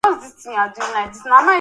Majimaji kutoka kwenye macho na pua